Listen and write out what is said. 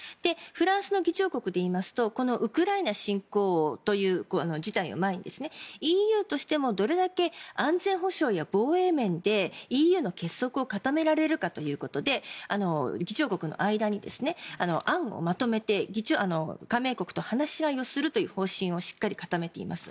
フランスの議長国で言いますとウクライナ侵攻という事態を前にＥＵとしてもどれだけ安全保障や防衛面でＥＵの結束を固められるかということで議長国の間に案をまとめて加盟国と話し合いをするという方針をしっかり固めています。